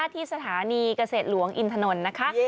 ที่สถานีเกษตรหลวงอินทนนท์นะคะ